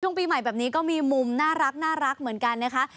ปีใหม่แบบนี้ก็มีมุมน่ารักเหมือนกันนะคะ